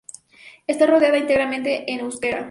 Está rodada íntegramente en euskera.